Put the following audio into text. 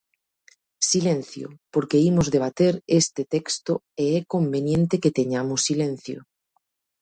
Silencio, porque imos debater este texto e é conveniente que teñamos silencio.